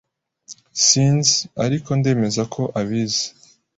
Sinzi, ariko ndemeza ko abizi.